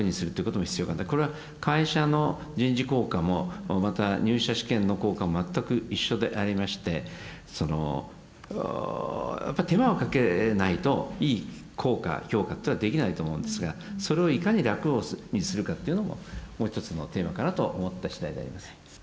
これは会社の人事考課もまた入社試験の考課も全く一緒でありましてやっぱ手間をかけないといい考課評価というのはできないと思うんですがそれをいかに楽にするかっていうのももう一つのテーマかなと思ったしだいであります。